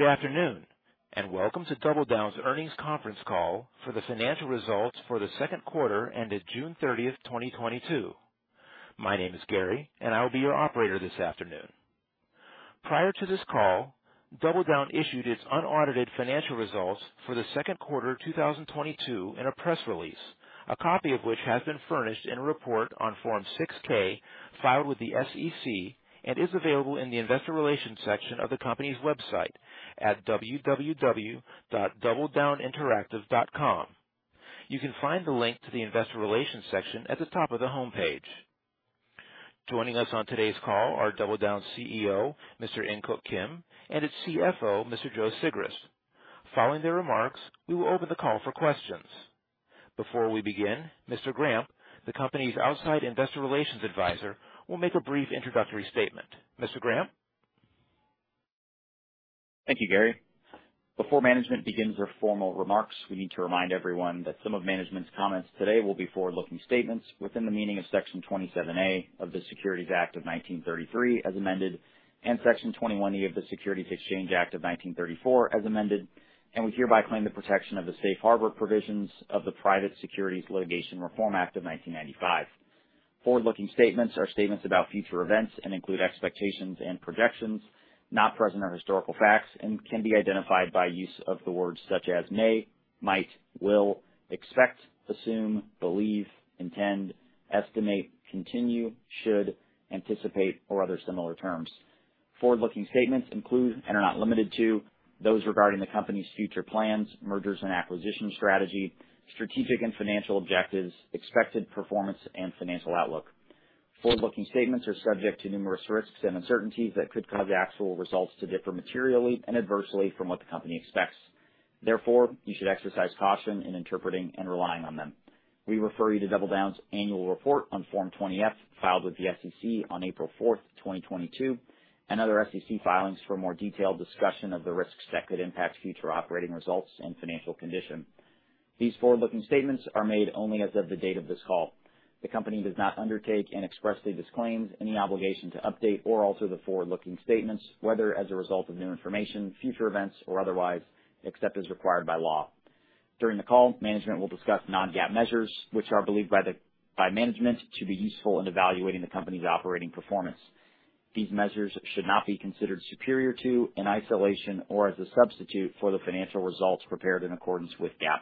Good afternoon, and welcome to DoubleDown's Earnings Conference Call for the Financial Results for the Second Quarter ended June 30th, 2022. My name is Gary and I will be your operator this afternoon. Prior to this call, DoubleDown issued its unaudited financial results for the second quarter 2022 in a press release, a copy of which has been furnished in a report on Form 6-K filed with the SEC and is available in the Investor Relations section of the company's website at www.doubledowninteractive.com. You can find the link to the Investor Relations section at the top of the homepage. Joining us on today's call are DoubleDown's CEO, Mr. In Keuk Kim, and its CFO, Mr. Joe Sigrist. Following their remarks, we will open the call for questions. Before we begin, Mr. Grampp, the company's outside Investor Relations Advisor, will make a brief introductory statement. Mr. Grampp? Thank you, Gary. Before management begins their formal remarks, we need to remind everyone that some of management's comments today will be forward-looking statements within the meaning of Section 27A of the Securities Act of 1933 as amended, and Section 21E of the Securities Exchange Act of 1934 as amended, and we hereby claim the protection of the safe harbor provisions of the Private Securities Litigation Reform Act of 1995. Forward-looking statements are statements about future events and include expectations and projections not based on historical facts and can be identified by use of the words such as may, might, will, expect, assume, believe, intend, estimate, continue, should, anticipate, or other similar terms. Forward-looking statements include, and are not limited to, those regarding the company's future plans, mergers and acquisitions strategy, strategic and financial objectives, expected performance, and financial outlook. Forward-looking statements are subject to numerous risks and uncertainties that could cause actual results to differ materially and adversely from what the company expects. Therefore, you should exercise caution in interpreting and relying on them. We refer you to DoubleDown's Annual Report on Form 20-F, filed with the SEC on April 4th, 2022, and other SEC filings for a more detailed discussion of the risks that could impact future operating results and financial condition. These forward-looking statements are made only as of the date of this call. The company does not undertake and expressly disclaims any obligation to update or alter the forward-looking statements, whether as a result of new information, future events, or otherwise, except as required by law. During the call, management will discuss non-GAAP measures, which are believed by management to be useful in evaluating the company's operating performance. These measures should not be considered superior to, in isolation, or as a substitute for the financial results prepared in accordance with GAAP.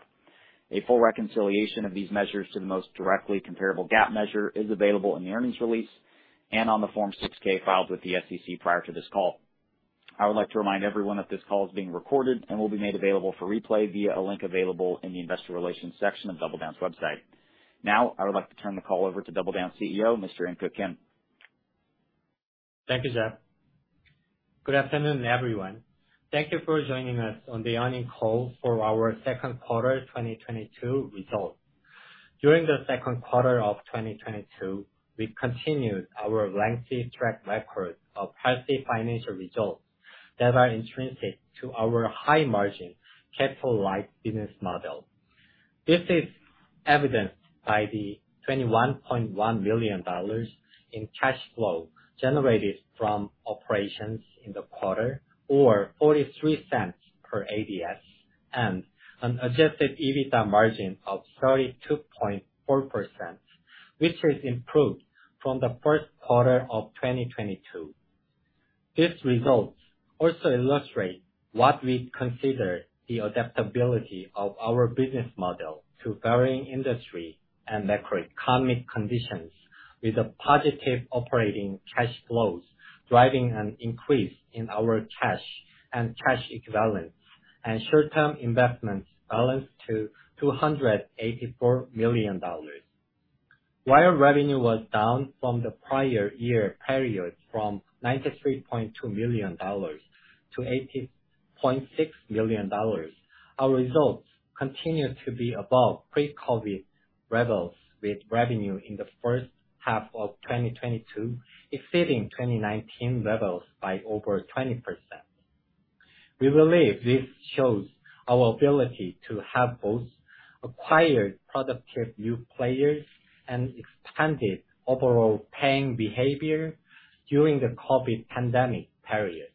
A full reconciliation of these measures to the most directly comparable GAAP measure is available in the earnings release and on the Form 6-K filed with the SEC prior to this call. I would like to remind everyone that this call is being recorded and will be made available for replay via a link available in the Investor Relations section of DoubleDown's website. Now, I would like to turn the call over to DoubleDown CEO, Mr. In Keuk Kim. Thank you, Jeff. Good afternoon, everyone. Thank you for joining us on the earnings call for our second quarter 2022 results. During the second quarter of 2022, we continued our lengthy track record of healthy financial results that are intrinsic to our high-margin capital-light business model. This is evidenced by the $21.1 million in cash flow generated from operations in the quarter or $0.43 per ADS and an Adjusted EBITDA margin of 32.4%, which has improved from the first quarter of 2022. These results also illustrate what we consider the adaptability of our business model to varying industry and macroeconomic conditions with a positive operating cash flows, driving an increase in our cash and cash equivalents and short-term investments balance to $284 million. While revenue was down from the prior year period from $93.2 million-$80.6 million, our results continued to be above pre-COVID levels, with revenue in the first half of 2022 exceeding 2019 levels by over 20%. We believe this shows our ability to have both acquired productive new players and expanded overall paying behavior during the COVID pandemic period.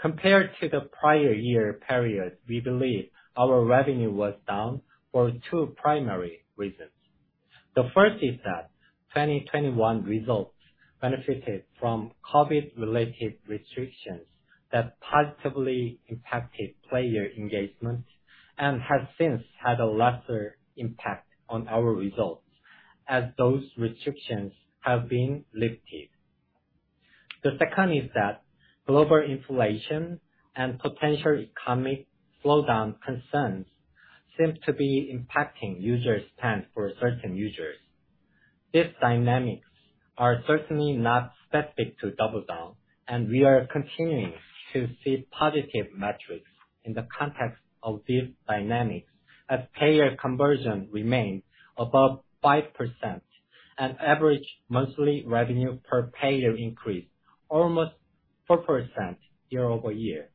Compared to the prior year period, we believe our revenue was down for two primary reasons. The first is that, 2021 results benefited from COVID-related restrictions that positively impacted player engagement and has since had a lesser impact on our results as those restrictions have been lifted. The second is that global inflation and potential economic slowdown concerns seem to be impacting user spend for certain users. These dynamics are certainly not specific to DoubleDown, and we are continuing to see positive metrics in the context of these dynamics as player conversion remains above 5% and average monthly revenue per player increased almost 4% year-over-year.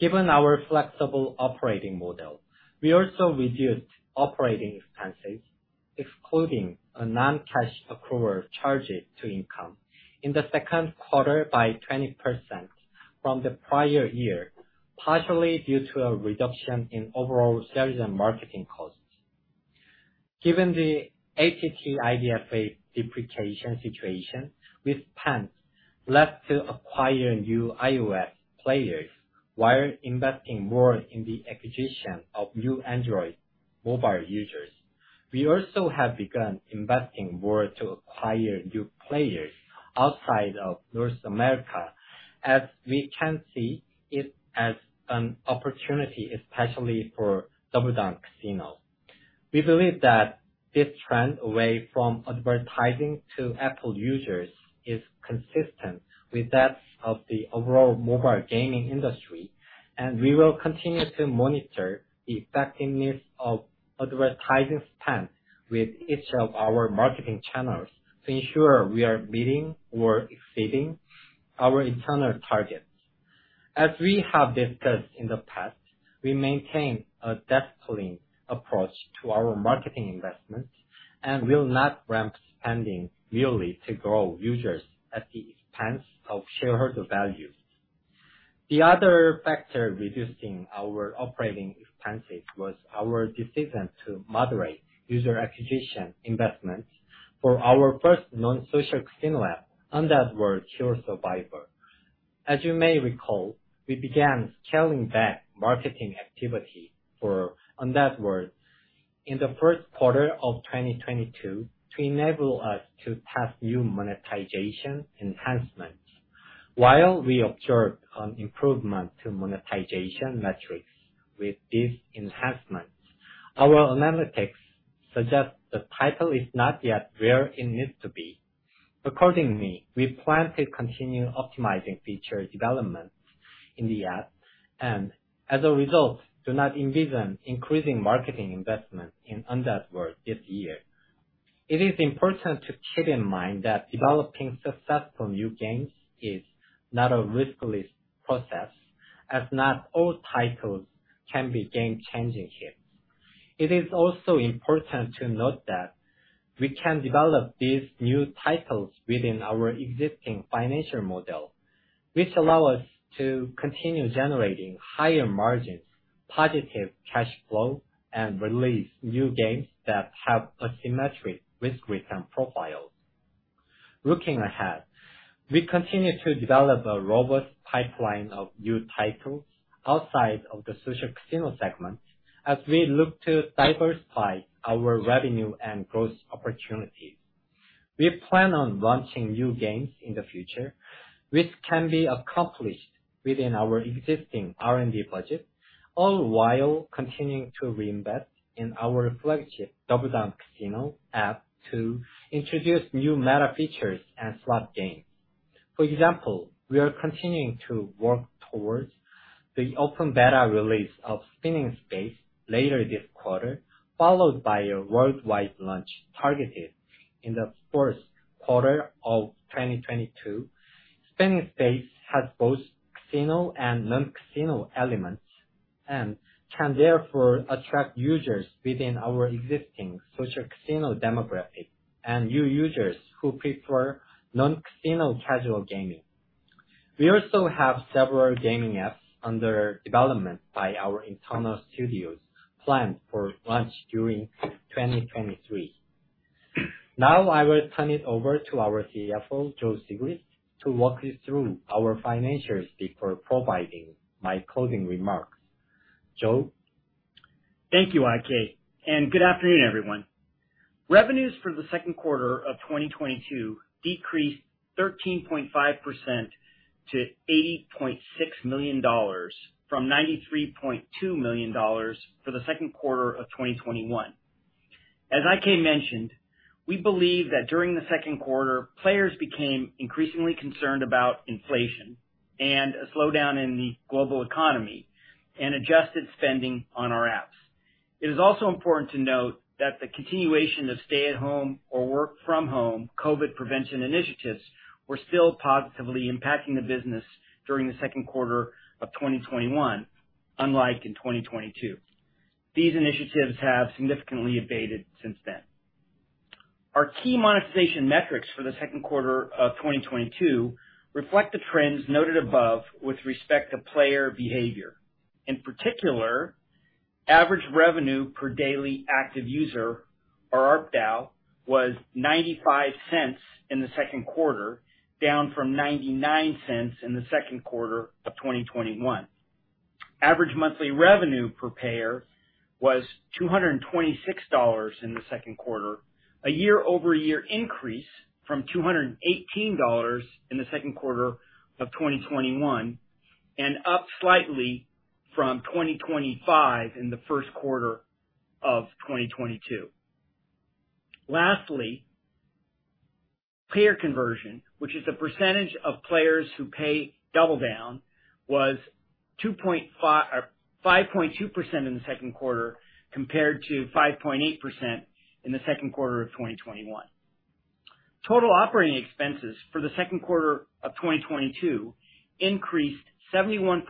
Given our flexible operating model, we also reduced operating expenses excluding a non-cash accrual charge to income in the second quarter by 20% from the prior year, partially due to a reduction in overall sales and marketing costs. Given the ATT IDFA deprecation situation, we spent less to acquire new iOS players while investing more in the acquisition of new Android mobile users. We also have begun investing more to acquire new players outside of North America, as we can see it as an opportunity, especially for DoubleDown Casino. We believe that this trend away from advertising to Apple users is consistent with that of the overall mobile gaming industry, and we will continue to monitor the effectiveness of advertising spend with each of our marketing channels to ensure we are meeting or exceeding our internal targets. As we have discussed in the past, we maintain a disciplined approach to our marketing investments and will not ramp spending merely to grow users at the expense of shareholder value. The other factor reducing our operating expenses was our decision to moderate user acquisition investments for our first non-social casino app, Undead World: Hero Survival. As you may recall, we began scaling back marketing activity for Undead World in the first quarter of 2022 to enable us to test new monetization enhancements. While we observed an improvement to monetization metrics with these enhancements, our analytics suggest the title is not yet where it needs to be. Accordingly, we plan to continue optimizing feature development in the app and as a result, do not envision increasing marketing investment in Undead World this year. It is important to keep in mind that developing successful new games is not a risk-less process, as not all titles can be game-changing hits. It is also important to note that we can develop these new titles within our existing financial model, which allow us to continue generating higher margins, positive cash flow, and release new games that have asymmetric risk-return profiles. Looking ahead, we continue to develop a robust pipeline of new titles outside of the social casino segment as we look to diversify our revenue and growth opportunities. We plan on launching new games in the future, which can be accomplished within our existing R&D budget, all while continuing to reinvest in our flagship DoubleDown Casino app to introduce new meta features and slot games. For example, we are continuing to work towards the open beta release of Spinning in Space later this quarter, followed by a worldwide launch targeted in the fourth quarter of 2022. Spinning in Space has both casino and non-casino elements and can therefore attract users within our existing social casino demographic and new users who prefer non-casino casual gaming. We also have several gaming apps under development by our internal studios planned for launch during 2023. Now I will turn it over to our CFO, Joe Sigrist, to walk you through our financials before providing my closing remarks. Joe? Thank you, IK, and good afternoon, everyone. Revenues for the second quarter of 2022 decreased 13.5% to $80.6 million from $93.2 million for the second quarter of 2021. As IK mentioned, we believe that during the second quarter, players became increasingly concerned about inflation and a slowdown in the global economy, and adjusted spending on our apps. It is also important to note that the continuation of stay-at-home or work-from-home COVID prevention initiatives were still positively impacting the business during the second quarter of 2021, unlike in 2022. These initiatives have significantly abated since then. Our key monetization metrics for the second quarter of 2022 reflect the trends noted above with respect to player behavior. In particular, average revenue per daily active user, or ARPDAU, was $0.95 in the second quarter, down from $0.99 in the second quarter of 2021. Average monthly revenue per payer was $226 in the second quarter, a year-over-year increase from $218 in the second quarter of 2021, and up slightly from $225 in the first quarter of 2022. Lastly, payer conversion, which is the percentage of players who pay DoubleDown, was 5.2% in the second quarter compared to 5.8% in the second quarter of 2021. Total operating expenses for the second quarter of 2022 increased 71%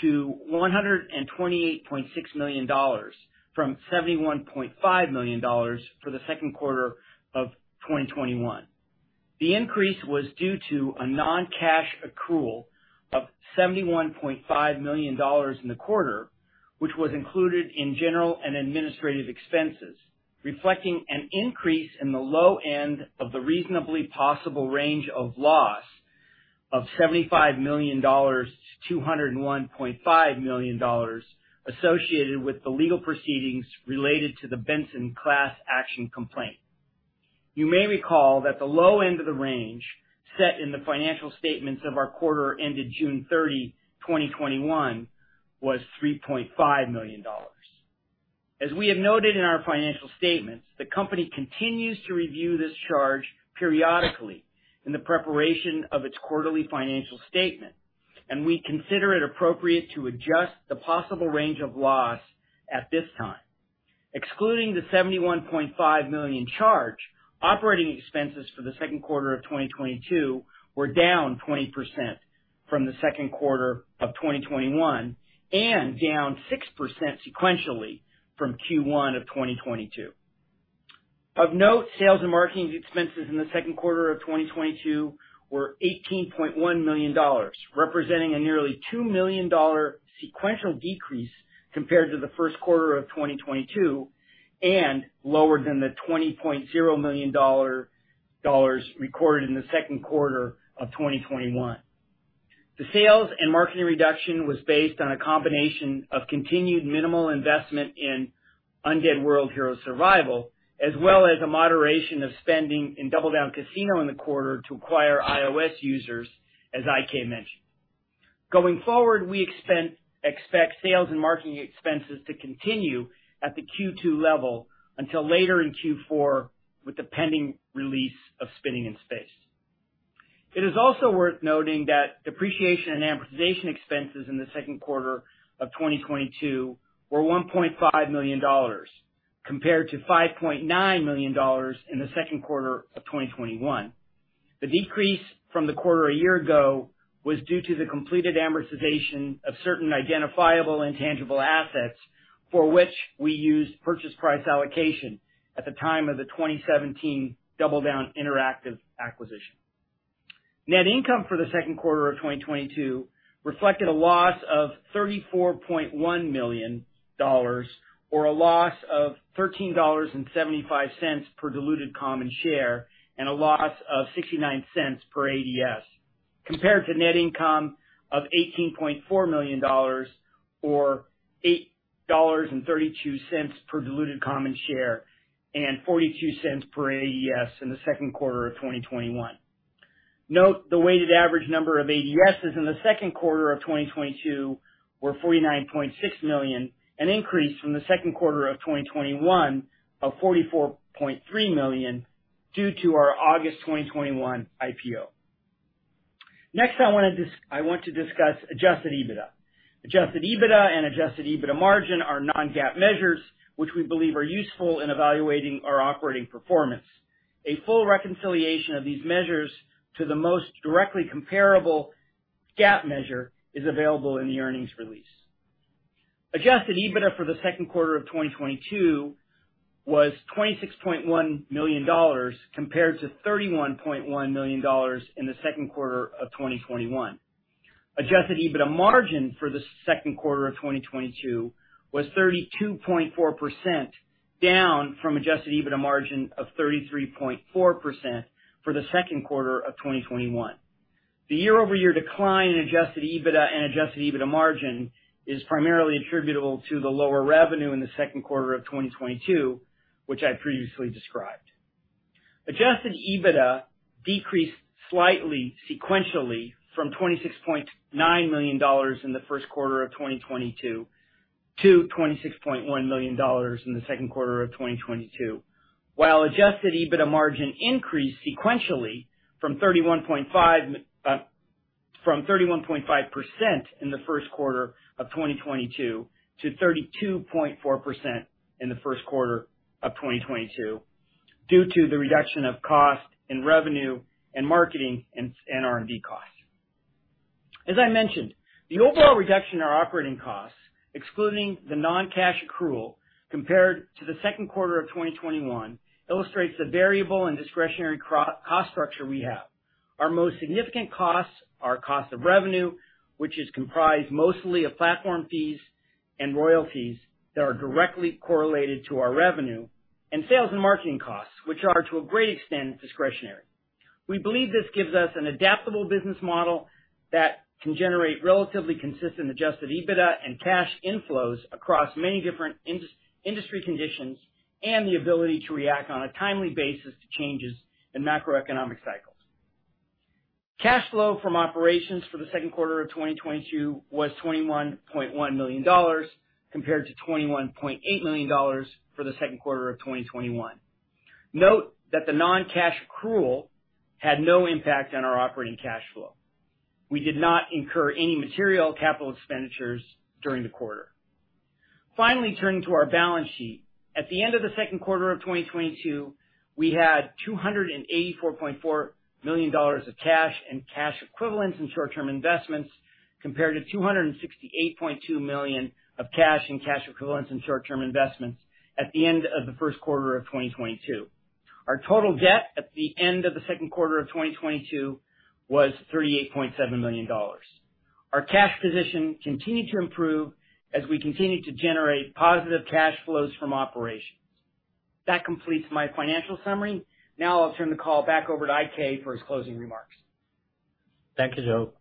to $128.6 million from $71.5 million for the second quarter of 2021. The increase was due to a non-cash accrual of $71.5 million in the quarter, which was included in general and administrative expenses, reflecting an increase in the low end of the reasonably possible range of loss of $75 million-$201.5 million associated with the legal proceedings related to the Benson class action complaint. You may recall that the low end of the range set in the financial statements of our quarter ended June 30, 2021, was $3.5 million. As we have noted in our financial statements, the company continues to review this charge periodically in the preparation of its quarterly financial statement, and we consider it appropriate to adjust the possible range of loss at this time. Excluding the $71.5 million charge, operating expenses for the second quarter of 2022 were down 20% from the second quarter of 2021, and down 6% sequentially from Q1 of 2022. Of note, sales and marketing expenses in the second quarter of 2022 were $18.1 million, representing a nearly $2 million sequential decrease compared to the first quarter of 2022, and lower than the $20.0 million recorded in the second quarter of 2021. The sales and marketing reduction was based on a combination of continued minimal investment in Undead World: Hero Survival, as well as a moderation of spending in DoubleDown Casino in the quarter to acquire iOS users, as IK mentioned. Going forward, we expect sales and marketing expenses to continue at the Q2 level until later in Q4 with the pending release of Spinning in Space. It is also worth noting that depreciation and amortization expenses in the second quarter of 2022 were $1.5 million compared to $5.9 million in the second quarter of 2021. The decrease from the quarter a year ago was due to the completed amortization of certain identifiable intangible assets for which we used purchase price allocation at the time of the 2017 DoubleDown Interactive acquisition. Net income for the second quarter of 2022 reflected a loss of $34.1 million, or a loss of $13.75 per diluted common share, and a loss of $0.69 per ADS, compared to net income of $18.4 million or $8.32 per diluted common share, and $0.42 per ADS in the second quarter of 2021. Note the weighted average number of ADSs in the second quarter of 2022 were 49.6 million, an increase from the second quarter of 2021 of 44.3 million due to our August 2021 IPO. Next I want to discuss Adjusted EBITDA. Adjusted EBITDA and Adjusted EBITDA margin are non-GAAP measures which we believe are useful in evaluating our operating performance. A full reconciliation of these measures to the most directly comparable GAAP measure is available in the earnings release. Adjusted EBITDA for the second quarter of 2022 was $26.1 million compared to $31.1 million in the second quarter of 2021. Adjusted EBITDA margin for the second quarter of 2022 was 32.4%, down from Adjusted EBITDA margin of 33.4% for the second quarter of 2021. The year-over-year decline in Adjusted EBITDA and Adjusted EBITDA margin is primarily attributable to the lower revenue in the second quarter of 2022, which I previously described. Adjusted EBITDA decreased slightly sequentially from $26.9 million in the first quarter of 2022 to $26.1 million in the second quarter of 2022. While Adjusted EBITDA margin increased sequentially from 31.5% in the first quarter of 2022 to 32.4% in the first quarter of 2022, due to the reduction of cost of revenue and marketing and R&D costs. As I mentioned, the overall reduction in our operating costs, excluding the non-cash accrual compared to the second quarter of 2021, illustrates the variable and discretionary cost structure we have. Our most significant costs are cost of revenue, which is comprised mostly of platform fees and royalties that are directly correlated to our revenue, and sales and marketing costs, which are to a great extent, discretionary. We believe this gives us an adaptable business model that can generate relatively consistent Adjusted EBITDA and cash inflows across many different industry conditions and the ability to react on a timely basis to changes in macroeconomic cycles. Cash flow from operations for the second quarter of 2022 was $21.1 million, compared to $21.8 million for the second quarter of 2021. Note that the non-cash accrual had no impact on our operating cash flow. We did not incur any material capital expenditures during the quarter. Finally, turning to our balance sheet. At the end of the second quarter of 2022, we had $284.4 million of cash and cash equivalents in short-term investments, compared to $268.2 million of cash and cash equivalents in short-term investments at the end of the first quarter of 2022. Our total debt at the end of the second quarter of 2022 was $38.7 million. Our cash position continued to improve as we continued to generate positive cash flows from operations. That completes my financial summary. Now I'll turn the call back over to IK for his closing remarks. Thank you, Joe.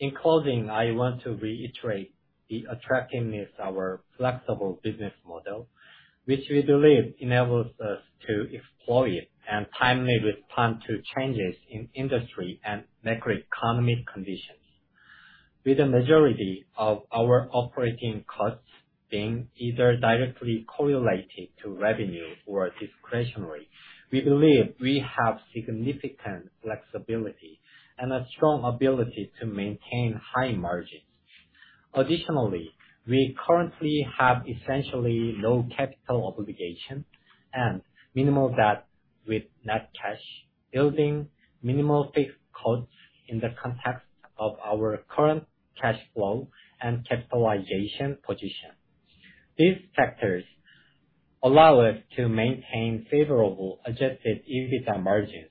In closing, I want to reiterate the attractiveness of our flexible business model, which we believe enables us to exploit and timely respond to changes in industry and macroeconomic conditions. With the majority of our operating costs being either directly correlated to revenue or discretionary, we believe we have significant flexibility and a strong ability to maintain high margins. Additionally, we currently have essentially no capital obligations and minimal debt with net cash, yielding minimal fixed costs in the context of our current cash flow and capitalization position. These factors allow us to maintain favorable Adjusted EBITDA margins,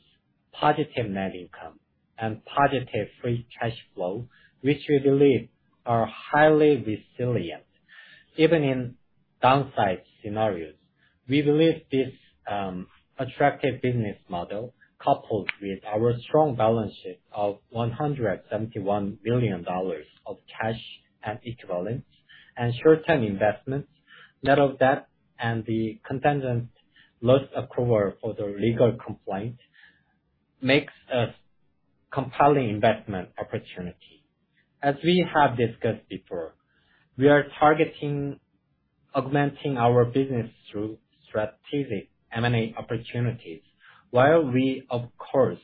positive net income, and positive free cash flow, which we believe are highly resilient, even in downside scenarios. We believe this attractive business model, coupled with our strong balance sheet of $171 million of cash and equivalents and short-term investments, net of debt, and the contingent loss approval for the legal complaint, makes a compelling investment opportunity. As we have discussed before, we are targeting augmenting our business through strategic M&A opportunities. While we, of course,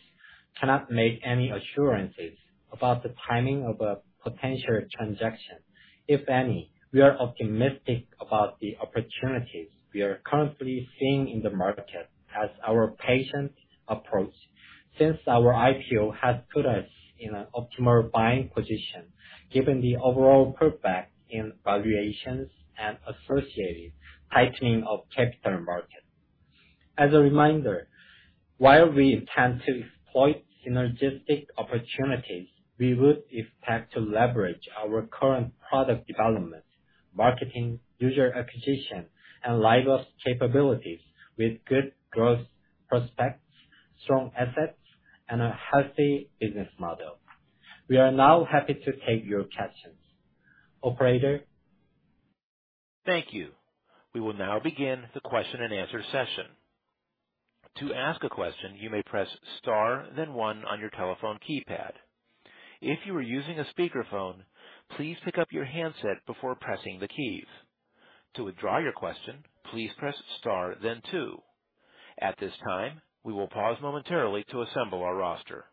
cannot make any assurances about the timing of a potential transaction, if any, we are optimistic about the opportunities we are currently seeing in the market as our patient approach since our IPO has put us in an optimal buying position, given the overall pullback in valuations and associated tightening of capital markets. As a reminder, while we intend to exploit synergistic opportunities, we would expect to leverage our current product development, marketing, user acquisition, and live ops capabilities with good growth prospects, strong assets, and a healthy business model. We are now happy to take your questions. Operator? Thank you. We will now begin the question-and-answer session. To ask a question, you may press star then one on your telephone keypad. If you are using a speakerphone, please pick up your handset before pressing the keys. To withdraw your question, please press star then two. At this time, we will pause momentarily to assemble our roster.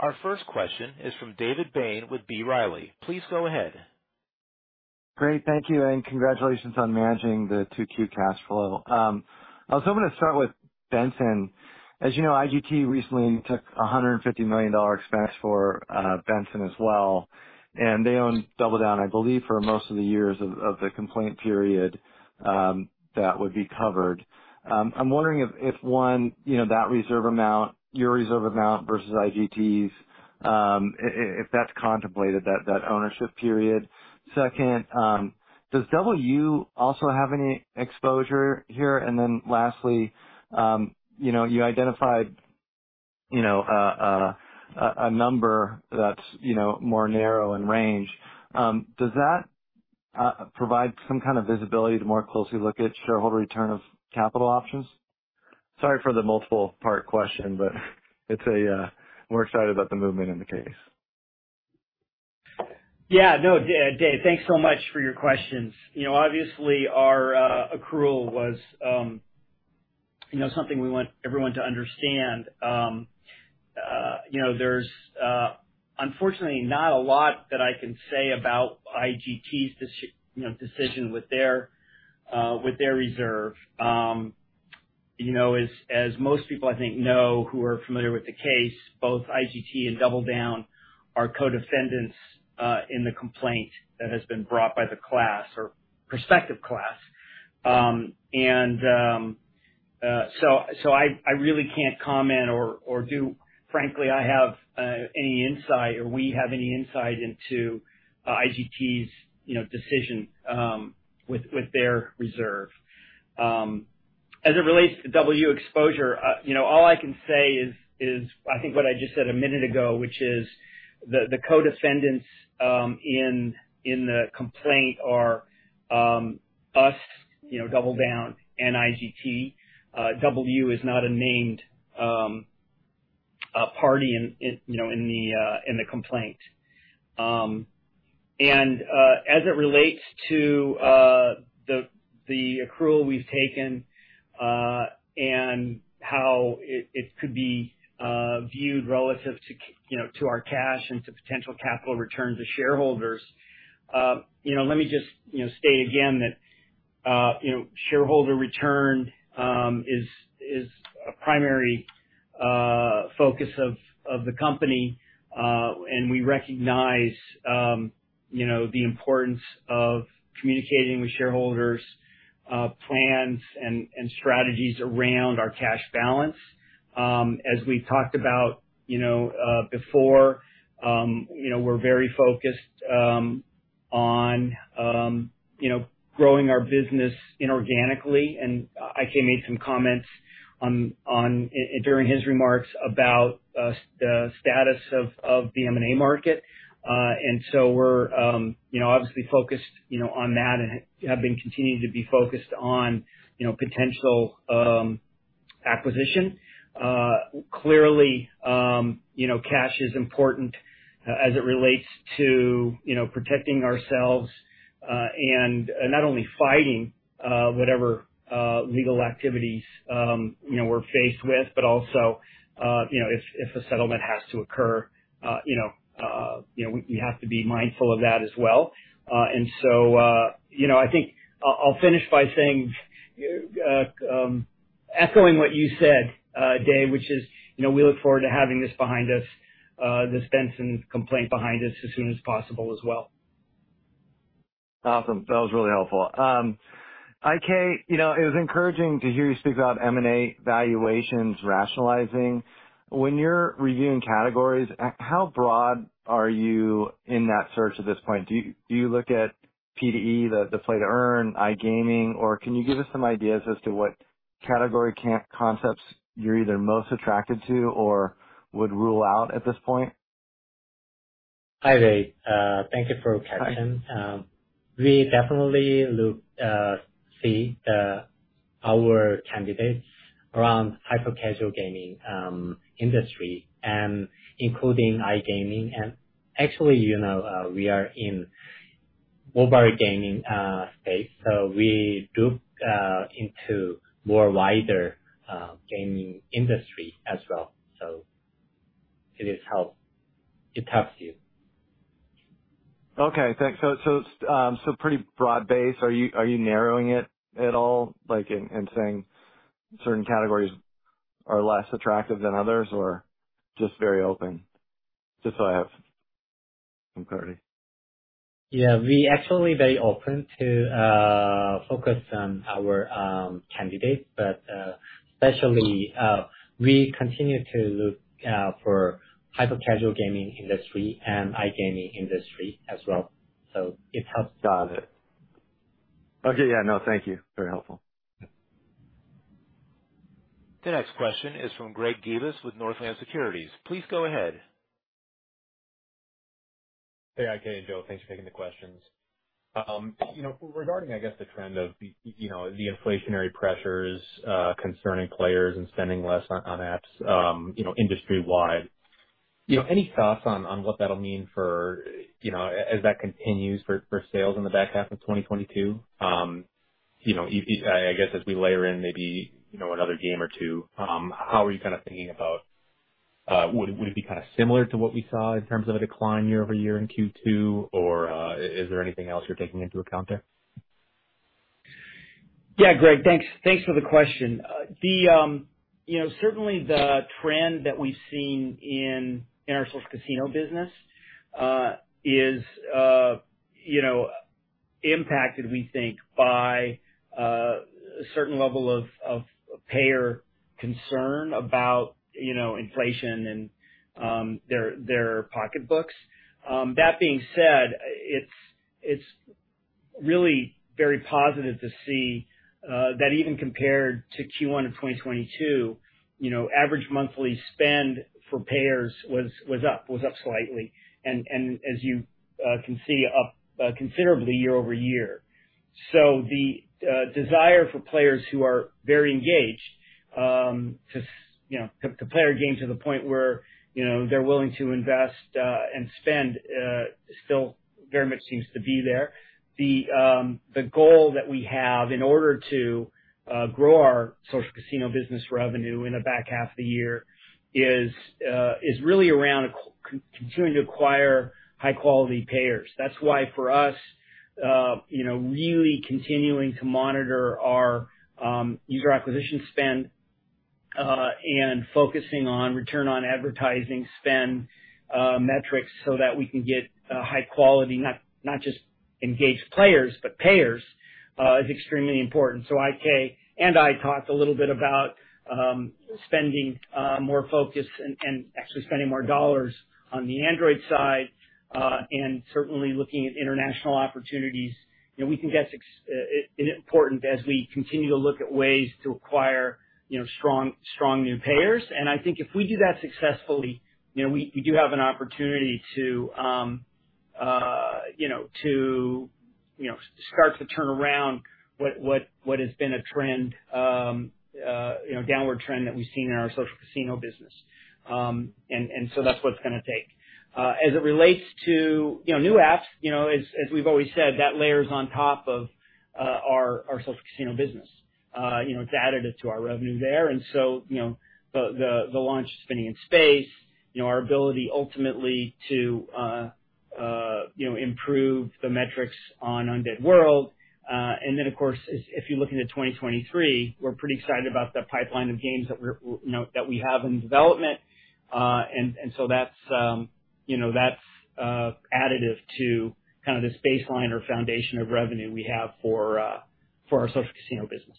Our first question is from David Bain with B. Riley. Please go ahead. Great. Thank you, and congratulations on managing the 2022 cash flow. I was hoping to start with Benson. As you know, IGT recently took a $150 million expense for Benson as well, and they own DoubleDown, I believe, for most of the years of the complaint period that would be covered. I'm wondering if one, you know, that reserve amount, your reserve amount versus IGT's, if that's contemplated that ownership period. Second, does DoubleU also have any exposure here? And then lastly, you know, you identified, you know, a number that's, you know, more narrow in range. Does that provide some kind of visibility to more closely look at shareholder return of capital options? Sorry for the multiple part question, but it's, we're excited about the movement in the case. David, thanks so much for your questions, you know, obviously our accrual was, you know, something we want everyone to understand, you know, there's unfortunately not a lot that I can say about IGT's decision with their reserve, you know, as most people I think know who are familiar with the case, both IGT and DoubleDown are co-defendants in the complaint that has been brought by the class or prospective class. I really can't comment or frankly have any insight into IGT's decision with their reserve. As it relates to DoubleU exposure, you know, all I can say is I think what I just said a minute ago, which is the co-defendants in the complaint are us, you know, DoubleDown and IGT. DoubleU is not a named party, you know, in the complaint. As it relates to the accrual we've taken and how it could be viewed relative to, you know, to our cash and to potential capital return to shareholders, you know, let me just, you know, state again that, you know, shareholder return is a primary focus of the company. We recognize, you know, the importance of communicating with shareholders plans and strategies around our cash balance. As we talked about, you know, before, you know, we're very focused on, you know, growing our business inorganically. IK made some comments on during his remarks about the status of the M&A market. We're, you know, obviously focused, you know, on that and have been continuing to be focused on, you know, potential acquisition. Clearly, you know, cash is important as it relates to, you know, protecting ourselves, and not only fighting whatever legal activities, you know, we're faced with, but also, you know, if a settlement has to occur, you know, we have to be mindful of that as well. You know, I think I'll finish by saying, echoing what you said, Dave, which is, you know, we look forward to having this behind us, this Benson complaint behind us as soon as possible as well. Awesome. That was really helpful. IK, you know, it was encouraging to hear you speak about M&A valuations rationalizing. When you're reviewing categories, how broad are you in that search at this point? Do you look at P2E, the play to earn, iGaming? Or can you give us some ideas as to what category concepts you're either most attracted to or would rule out at this point? Hi, David. Thank you for catching. We definitely look to see our candidates around hyper-casual gaming industry and including iGaming. Actually, you know, we are in mobile gaming space, so we look into more wider gaming industry as well. It helps you. Okay, thanks. Pretty broad-based. Are you narrowing it at all, like, in saying certain categories are less attractive than others, or just very open? Just so I have some clarity. Yeah. We actually very open to focus on our candidates, but especially we continue to look for hyper-casual gaming industry and iGaming industry as well. It helps. Got it. Okay. Yeah. No, thank you. Very helpful. The next question is from Greg Gibas with Northland Securities. Please go ahead. Hey, IK and Joe. Thanks for taking the questions, you know, regarding, I guess, the trend of the, you know, the inflationary pressures concerning players and spending less on apps, you know, industry-wide, you know, any thoughts on what that'll mean for, you know, as that continues for sales in the back half of 2022? You know, if you—I guess as we layer in maybe, you know, another game or two, how are you kinda thinking about, would it be kinda similar to what we saw in terms of a decline year-over-year in Q2, or is there anything else you're taking into account there? Yeah. Greg, thanks. Thanks for the question, you know, certainly the trend that we've seen in our social casino business is impacted, we think, by a certain level of payer concern about inflation and their pocketbooks. That being said, it's really very positive to see that even compared to Q1 of 2022, you know, average monthly spend for payers was up slightly. As you can see, up considerably year-over-year. The desire for players who are very engaged to play our game to the point where they're willing to invest and spend still very much seems to be there. The goal that we have in order to grow our social casino business revenue in the back half of the year is really around continuing to acquire high quality payers. That's why for us, you know, really continuing to monitor our user acquisition spend and focusing on return on advertising spend metrics so that we can get high quality, not just engaged players, but payers, is extremely important. IK and I talked a little bit about spending more focus and actually spending more dollars on the Android side and certainly looking at international opportunities, you know, we think that's important as we continue to look at ways to acquire, you know, strong new payers. I think if we do that successfully, you know, we do have an opportunity to, you know, start to turn around what has been a trend, you know, downward trend that we've seen in our social casino business. That's what it's gonna take. As it relates to, you know, new apps, you know, as we've always said, that layers on top of our social casino business, you know, it's additive to our revenue there. So, you know, the launch of Spinning in Space, you know, our ability ultimately to, you know, improve the metrics on Undead World. Of course, if you're looking at 2023, we're pretty excited about the pipeline of games that we have in development. That's, you know, additive to kind of this baseline or foundation of revenue we have for our social casino business.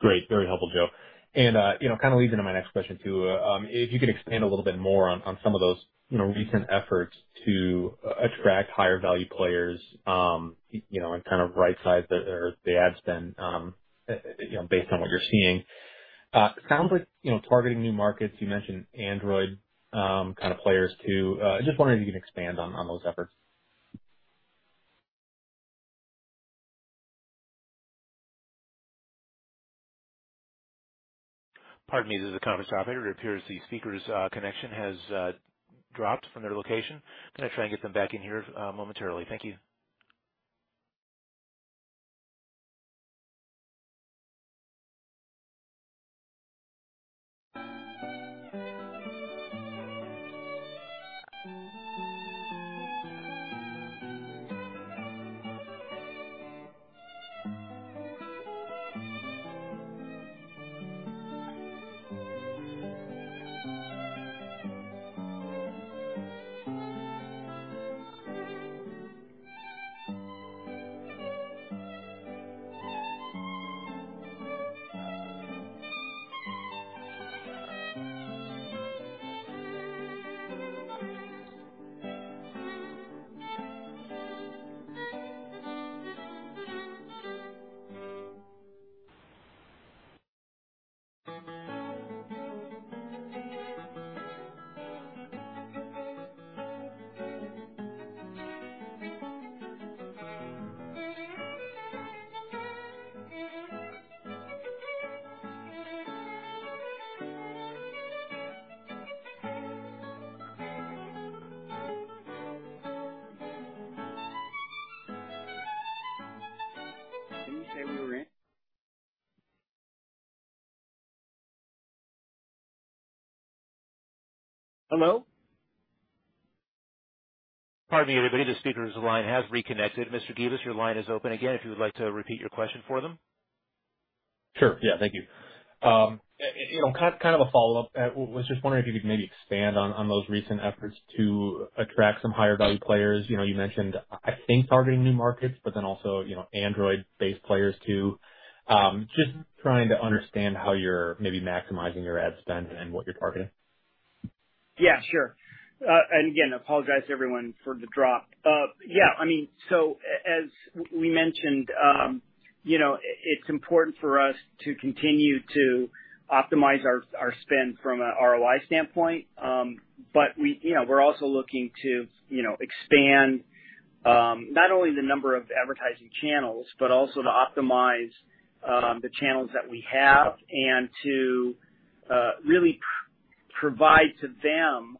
Great. Very helpful, Joe, and, you know, kind of leads into my next question too. If you could expand a little bit more on some of those recent efforts to attract higher value players, you know, and kind of right size the ad spend, you know, based on what you're seeing. Sounds like, you know, targeting new markets. You mentioned Android kind of players too. Just wondering if you can expand on those efforts. Pardon me. This is the conference operator. It appears the speaker's connection has dropped from their location. Gonna try and get them back in here momentarily. Thank you. Can you say we were in? Hello? Pardon me, everybody. The speaker's line has reconnected. Mr. Gibas, your line is open again if you would like to repeat your question for them. Sure. Yeah. Thank you, you know, kind of a follow-up. Was just wondering if you could maybe expand on those recent efforts to attract some higher value players, you know, you mentioned I think targeting new markets, but then also, you know, Android-based players too. Just trying to understand how you're maybe maximizing your ad spend and what you're targeting. Yeah, sure. Again, apologize to everyone for the drop. Yeah, I mean, as we mentioned, you know, it's important for us to continue to optimize our spend from a ROI standpoint. We, you know, we're also looking to, you know, expand, not only the number of advertising channels, but also to optimize the channels that we have and to really provide to them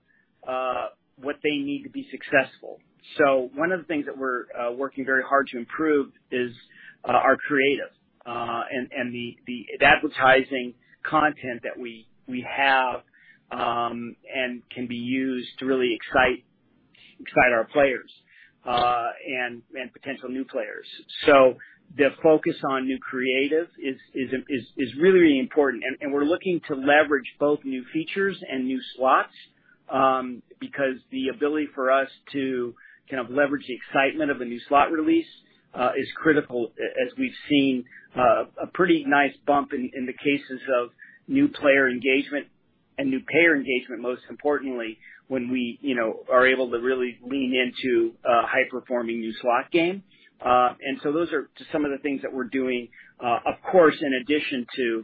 what they need to be successful. One of the things that we're working very hard to improve is our creative and the advertising content that we have and can be used to really excite our players and potential new players. The focus on new creative is really important. We're looking to leverage both new features and new slots, because the ability for us to kind of leverage the excitement of a new slot release is critical as we've seen a pretty nice bump in the cases of new player engagement and new payer engagement, most importantly, when we, you know, are able to really lean into a high performing new slot game. Those are just some of the things that we're doing. Of course, in addition to,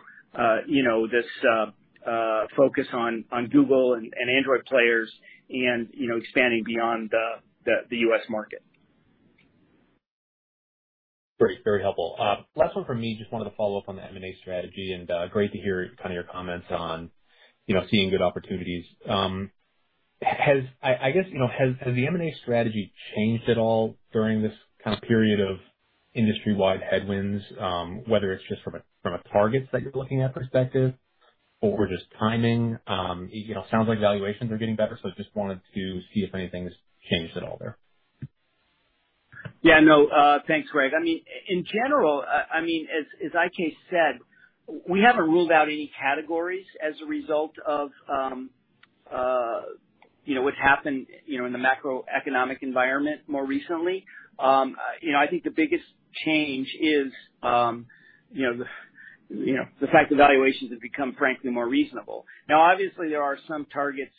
you know, this focus on Google and Android players and, you know, expanding beyond the U.S. market. Great. Very helpful. Last one from me. Just wanted to follow up on the M&A strategy and, great to hear kind of your comments on, you know, seeing good opportunities. I guess, you know, has the M&A strategy changed at all during this kind of period of industry-wide headwinds, whether it's just from a targets that you're looking at perspective or just timing? You know, sounds like valuations are getting better, so just wanted to see if anything's changed at all there. Yeah, no. Thanks, Greg. I mean, in general, as IK said, we haven't ruled out any categories as a result of, you know, what happened, you know, in the macroeconomic environment more recently, you know, I think the biggest change is, you know, the fact that valuations have become, frankly, more reasonable. Now, obviously there are some targets,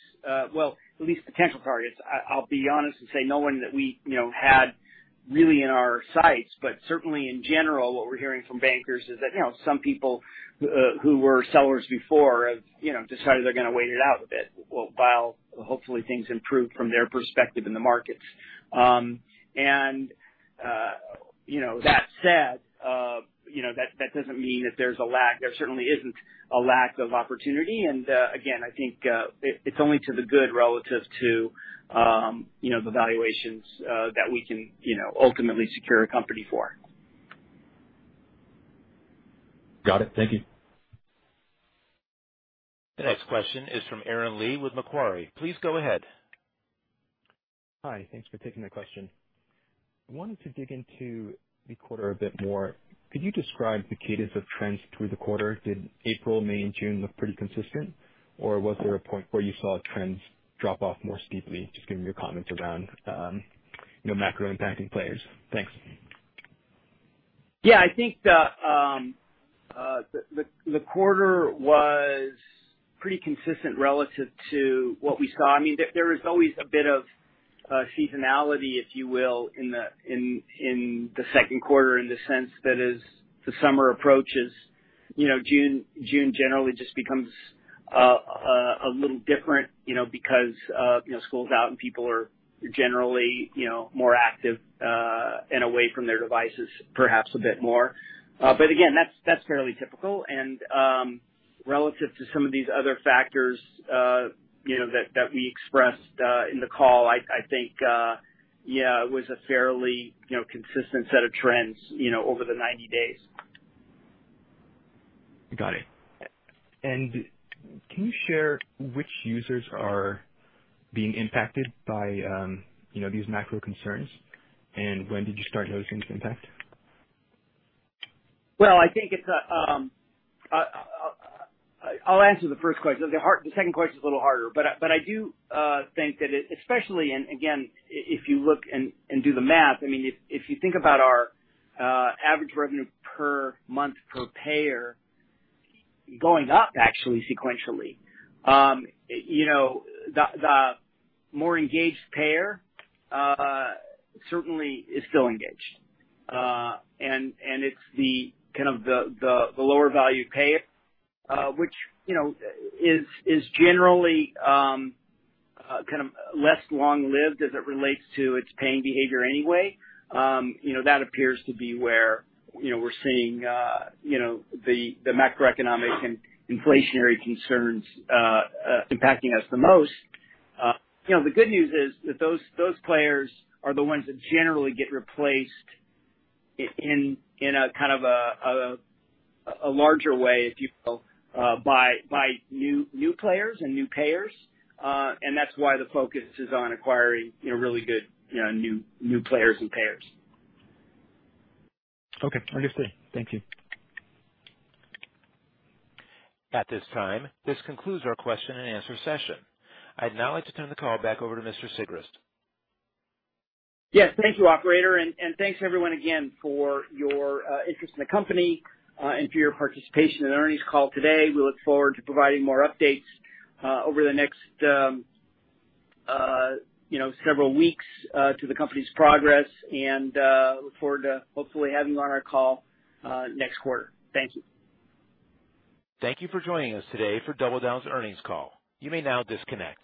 well, at least potential targets. I'll be honest and say no one that we, you know, had really in our sights, but certainly in general, what we're hearing from bankers is that, you know, some people who were sellers before have, you know, decided they're gonna wait it out a bit while hopefully things improve from their perspective in the markets. And, you know, that said, you know, that doesn't mean that there's a lack. There certainly isn't a lack of opportunity. Again, I think, it's only to the good relative to, you know, the valuations, that we can, you know, ultimately secure a company for. Got it. Thank you. The next question is from Aaron Lee with Macquarie. Please go ahead. Hi. Thanks for taking the question. I wanted to dig into the quarter a bit more. Could you describe the cadence of trends through the quarter? Did April, May and June look pretty consistent, or was there a point where you saw trends drop off more steeply? Just given your comments around, you know, macro impacting players. Thanks. Yeah, I think the quarter was pretty consistent relative to what we saw. I mean there is always a bit of seasonality, if you will, in the second quarter in the sense that as the summer approaches, you know, June generally just becomes a little different, you know, because you know, school's out and people are generally, you know, more active and away from their devices perhaps a bit more. But again, that's fairly typical. Relative to some of these other factors, you know, that we expressed in the call, I think yeah, it was a fairly, you know, consistent set of trends, you know, over the 90 days. Got it. Can you share which users are being impacted by, you know, these macro concerns? When did you start noticing this impact? Well, I think. I'll answer the first question. The second question is a little harder, but I do think that it, especially and again, if you look and do the math, I mean, if you think about our average revenue per month per payer going up actually sequentially, you know, the more engaged payer certainly is still engaged. It's the kind of lower value payer, which, you know, is generally kind of less long-lived as it relates to its paying behavior anyway, you know, that appears to be where, you know, we're seeing, you know, the macroeconomic and inflationary concerns impacting us the most. You know, the good news is that those players are the ones that generally get replaced in a kind of a larger way, if you will, by new players and new payers. That's why the focus is on acquiring, you know, really good, you know, new players and payers. Okay. Understood. Thank you. At this time, this concludes our question-and-answer session. I'd now like to turn the call back over to Mr. Sigrist. Yes, thank you, Operator. Thanks, everyone, again for your interest in the company, and for your participation in the earnings call today. We look forward to providing more updates over the next, you know, several weeks to the company's progress and look forward to hopefully having you on our call next quarter. Thank you. Thank you for joining us today for DoubleDown's earnings call. You may now disconnect.